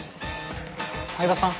・饗庭さん